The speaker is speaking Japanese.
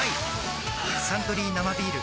「サントリー生ビール」